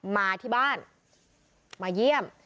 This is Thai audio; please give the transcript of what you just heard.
มาที่บ้านมาเยี่ยม